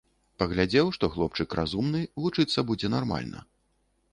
Паглядзеў, што хлопчык разумны, вучыцца будзе нармальна.